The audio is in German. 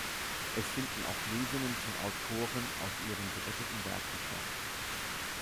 Es finden auch Lesungen von Autoren aus ihren geretteten Werken statt.